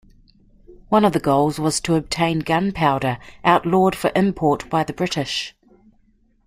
One of the goals was to obtain gunpowder, outlawed for import by the British.